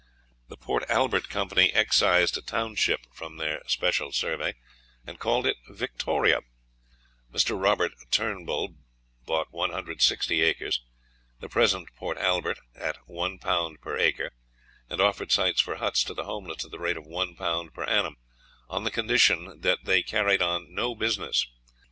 The Port Albert Company excised a township from their special survey, and called it Victoria; Mr. Robert Turnbull bought 160 acres, the present Port Albert, at 1 pound per acre, and offered sites for huts to the homeless at the rate of 1 pound per annum, on the condition that they carried on no business.